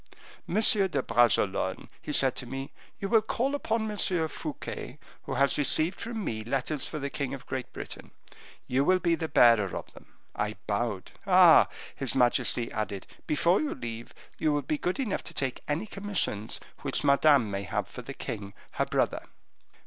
'Monsieur de Bragelonne,' he said to me, 'you will call upon M. Fouquet, who has received from me letters for the king of Great Britain; you will be the bearer of them.' I bowed. 'Ah!' his majesty added, 'before you leave, you will be good enough to take any commissions which Madame may have for the king her brother.